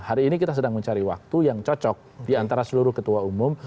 hari ini kita sedang mencari waktu yang cocok di antara seluruh ketua umum